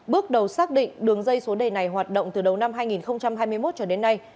bước đầu xác định đường dây số đề này hoạt động từ đầu năm hai nghìn hai mươi một cho đến nay